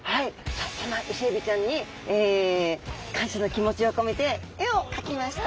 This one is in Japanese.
さあそんなイセエビちゃんに感謝の気持ちを込めて絵を描きました。